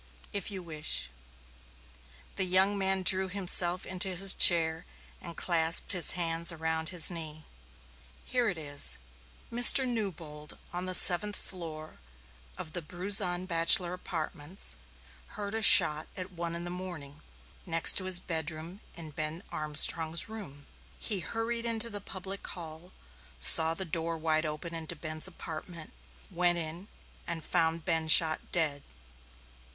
"If you wish." The young man drew himself into his chair and clasped his hands around his knee. "Here it is. Mr. Newbold, on the seventh floor of the Bruzon bachelor apartments, heard a shot at one in the morning, next his bedroom, in Ben Armstrong's room. He hurried into the public hall, saw the door wide open into Ben's apartment, went in and found Ben shot dead.